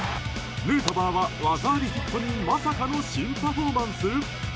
ヌートバーは技ありヒットにまさかの新パフォーマンス？